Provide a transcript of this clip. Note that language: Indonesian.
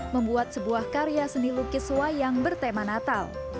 membuat sebuah karya seni lukis wayang bertema natal